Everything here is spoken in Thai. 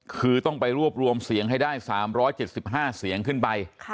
คือต้องไปรวบรวมเสียงให้ได้๓๗๕เสียงขึ้นไป